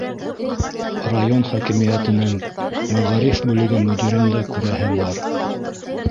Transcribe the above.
Район хакимиәтенең мәғариф бүлеге мөдирен дә күрәһе бар.